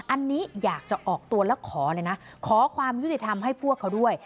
อันนี้อยากจะออกตัวแล้วขอเลยนะขอความยุติธรรมให้พวกเขาด้วย